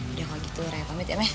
udah kalau gitu kayak pamit ya meh